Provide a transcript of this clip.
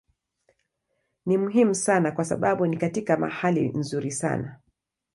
Ni muhimu sana kwa sababu ni katika mahali nzuri sana.